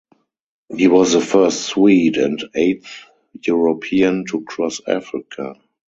He was the first Swede and eighth European to cross Africa.